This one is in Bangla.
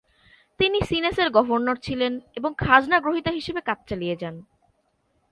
তিনি সিনেসের গভর্নর ছিলেন, এবং খাজনা গ্রহীতা হিসেবে কাজ চালিয়ে যান।